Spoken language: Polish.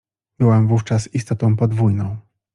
Byłam wówczas istotą podwójną.